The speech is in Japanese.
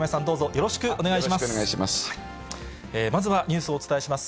よろしくお願いします。